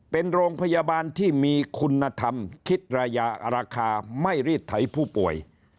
เป็นโรงพยาบาลที่มีคุณธรรมคิดระยะราคาไม่รีดไถผู้ป่วย